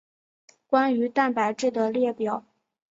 关于蛋白质的列表。